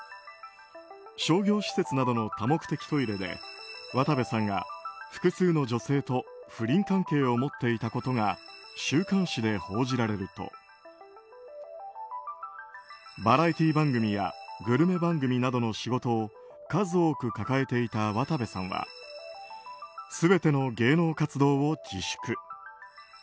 商業施設などの多目的トイレで渡部さんが複数の女性と不倫関係を持っていたことが週刊誌で報じられるとバラエティー番組やグルメ番組などの仕事を数多く抱えていた渡部さんは全ての芸能活動を自粛。